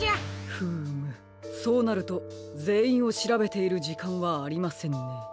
フームそうなるとぜんいんをしらべているじかんはありませんね。